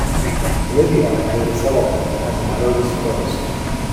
Livia paid a settlement and the matter was closed.